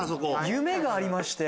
夢がありまして。